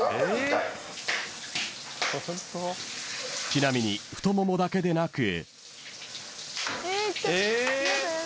［ちなみに太ももだけでなく］